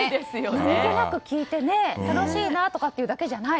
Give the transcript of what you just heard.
何気なく聞いて楽しいなとかっていうだけじゃない。